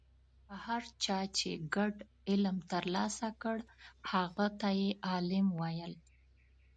هر چا چې ګډ علم ترلاسه کړ هغه ته یې عالم ویل.